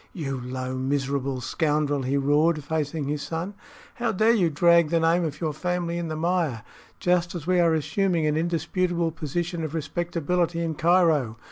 "You low, miserable scoundrel!" he roared, facing his son; "how dare you drag the name of your family in the mire, just as we are assuming an indisputable position of respectability in Cairo?